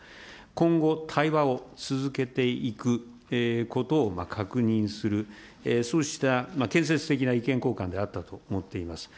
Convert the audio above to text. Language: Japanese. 今後、対話を続けていくことを確認する、そうした建設的な意見交換であったと思っています。